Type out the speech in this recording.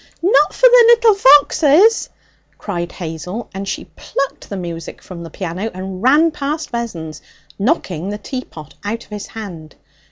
'Not for the little foxes!' cried Hazel, and she plucked the music from the piano and ran past Vessons, knocking the teapot out of his hand.